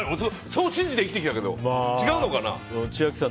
そう信じて生きてきたけど違うのかな。